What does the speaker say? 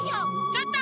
ちょっと。